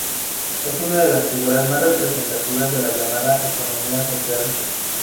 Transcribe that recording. Es una de las figuras más representativas de la llamada economía social.